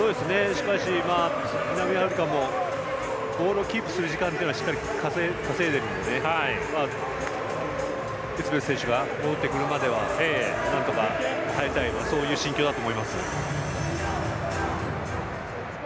しかし南アフリカもボールをキープする時間をしっかり稼いでいるのでエツベス選手が戻ってくるまではなんとか耐えたいというそういう心境だと思います。